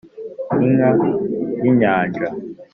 inka y’ inyanja